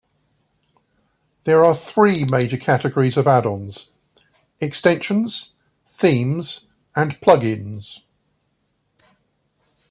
There are three major categories of add-ons: "Extensions", "Themes", and "Plugins".